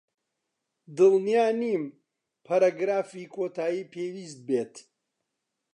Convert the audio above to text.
دڵنیا نیم پەرەگرافی کۆتایی پێویست بێت.